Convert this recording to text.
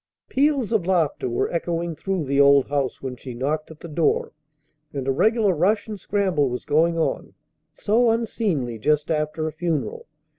Peals of laughter were echoing through the old house when she knocked at the door, and a regular rush and scramble was going on, so unseemly just after a funeral!